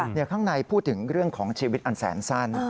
ข้างในพูดถึงเรื่องของชีวิตอันแสนสั้น